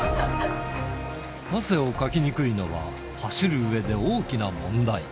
汗をかきにくいのは、走るうえで大きな問題。